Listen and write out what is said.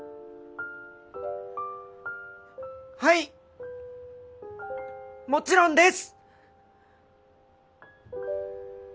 はいもちろんです！